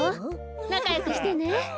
なかよくしてね。